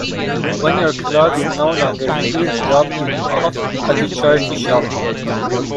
When your clothes no longer fit, drop them off at a charity shop.